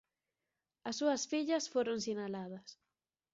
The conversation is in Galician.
As súas fillas foron sinaladas.